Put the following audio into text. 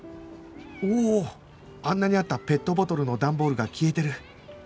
おあんなにあったペットボトルの段ボールが消えてる